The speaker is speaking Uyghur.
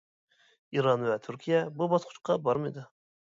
ئىران ۋە تۈركىيە بۇ باسقۇچقا بارمىدى.